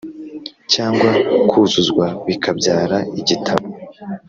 cyangwa kuzuzwa bikabyara igitabo